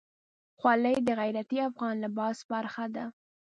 خولۍ د غیرتي افغان لباس برخه ده.